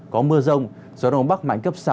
có mưa rông gió đông bắc mạnh cấp sáu